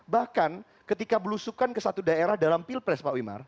bahkan ketika belusukan ke satu daerah dalam pilpres pak wimar